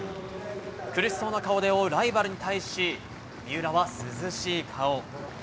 苦しそうな顔で追うライバルに対し、三浦は涼しい顔。